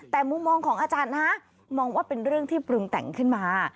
แต่มุมมองของอาจารย์นะมองว่าเป็นเรื่องที่ปรุงแต่งขึ้นมา